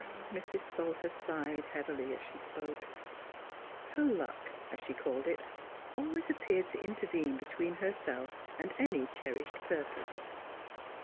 Mrs. Salter sighed heavily as she spoke ; her "luck," as she called it, always ap peared to intervene between herself and any cherished purpose.